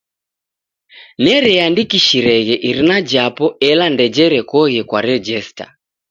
Nereandikishireghe irina japo ela ndejerekoghe kwa rejesta.